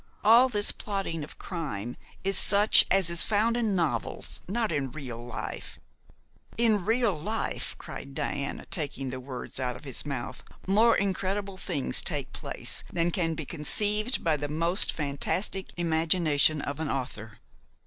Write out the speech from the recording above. "All this plotting of crime is such as is found in novels, not in real life " "In real life," cried Diana, taking the words out of his mouth, "more incredible things take place than can be conceived by the most fantastic imagination of an author.